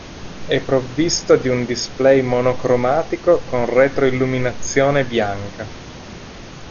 È provvisto di un display monocromatico con retroilluminazione bianca.